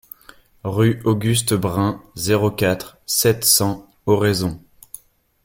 Rue Auguste Brun, zéro quatre, sept cents Oraison